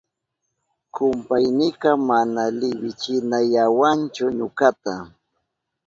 Kumpaynika mana liwichinayawanchu ñukata.